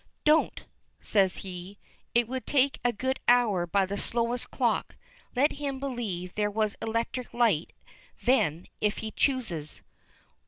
"Don't," says he. "It would take a good hour by the slowest clock. Let him believe there was electric light then if he chooses."